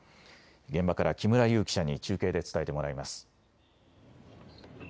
現場から木村友記者に中継で伝えてもらいます。